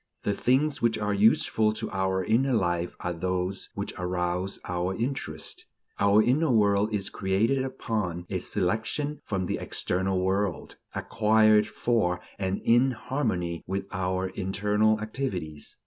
The things which are useful to our inner life are those which arouse our interest. Our internal world is created upon a selection from the external world, acquired for and in harmony with our internal activities.